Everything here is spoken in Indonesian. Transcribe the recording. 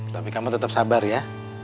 tapi kamu tetap sabar ya